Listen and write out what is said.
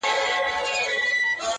کلي ودان کورونه؛